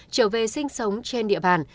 trở về sinh sống trên địa bàn